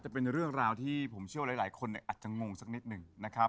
จะเป็นเรื่องราวที่ผมเชื่อว่าหลายคนอาจจะงงสักนิดหนึ่งนะครับ